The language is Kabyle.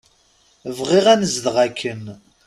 Bɣiɣ anezdeɣ akken.